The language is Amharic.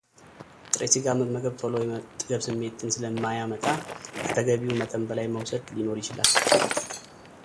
ጥሬ ሥጋ መመገብ ቶሎ የመጥገብ ስሜትን ስለማያመጣ ከተገቢው መጠን በላይ መውሰድ ሊኖር ይችላል።